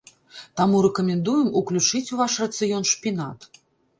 Таму рэкамендуем уключыць у ваш рацыён шпінат.